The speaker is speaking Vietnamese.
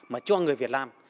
mà cho người việt nam